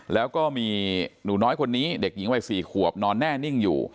แล้วก็มีหนูน้อยคนนี้เด็กหญิงวัย๔ขวบนอนแน่นิ่งอยู่